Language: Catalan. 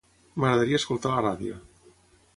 M'agradaria escoltar la ràdio.